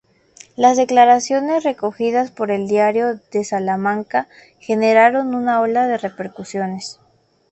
Las declaraciones, recogidas por El Diario de Salamanca, generaron una ola de repercusiones.